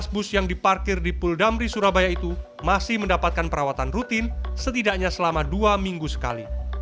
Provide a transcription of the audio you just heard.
dua belas bus yang diparkir di puldamri surabaya itu masih mendapatkan perawatan rutin setidaknya selama dua minggu sekali